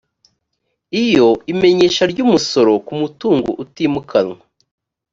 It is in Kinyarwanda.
iyo imenyesha ry umusoro ku mutungo utimukanwa